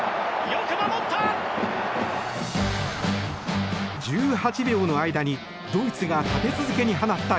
よく守った！